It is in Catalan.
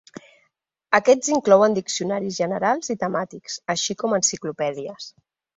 Aquests inclouen diccionaris generals i temàtics, així com enciclopèdies.